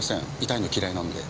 痛いの嫌いなんで。